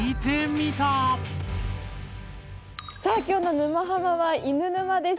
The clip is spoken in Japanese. さあきょうの「沼ハマ」は「犬沼」です。